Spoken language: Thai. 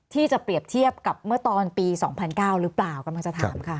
ที่จะเปรียบเทียบกับเมื่อตอนปี๒๐๐๙หรือเปล่ากำลังจะถามค่ะ